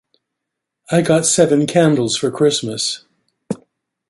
I got seven candles for Christmas.